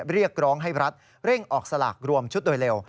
เรียกร้องให้รัฐเร่งออกสลากรวมชุดโดยเร็ว